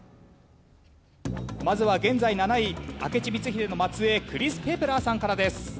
まずは現在７位明智光秀の末裔クリス・ペプラーさんからです。